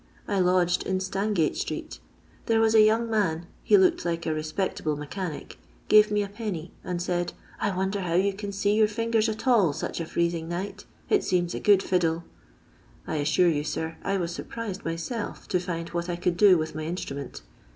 I lodged in Stangate street. There was a young man — ha looked like a respectable mechanic — gave me Id, and said :' I wonder how you can use your fingers at all such a freesing night. It seems a good £idle.' I assure you, sir, I was surprised myself to find what I could do with my instru ment.